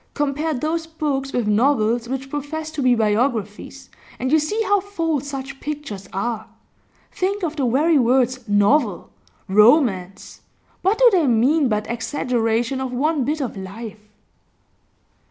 Compare those books with novels which profess to be biographies, and you see how false such pictures are. Think of the very words "novel," "romance" what do they mean but exaggeration of one bit of life?